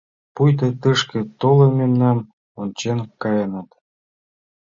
Пуйто, тышке толын, мемнам ончен каеныт.